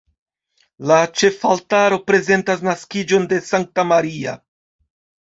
La ĉefaltaro prezentas naskiĝon de Sankta Maria.